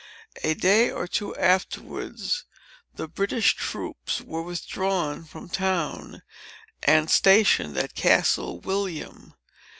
A day or two afterward, the British troops were withdrawn from town, and stationed at Castle William.